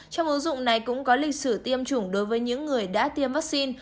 trong ứng dụng này cũng có lịch sử tiêm chủng đối với những người đã tiêm vaccine